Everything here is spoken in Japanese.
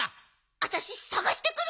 わたしさがしてくる！